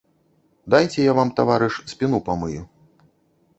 Дайце я вам, таварыш, спіну памыю.